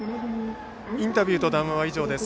インタビューと談話は以上です。